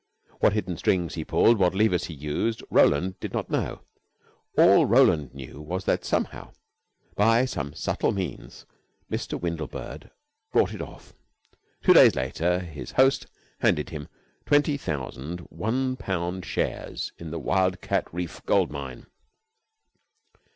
What hidden strings he pulled, what levers he used, Roland did not know. All Roland knew was that somehow, by some subtle means, Mr. Windlebird brought it off. Two days later his host handed him twenty thousand one pound shares in the Wildcat Reef Gold mine.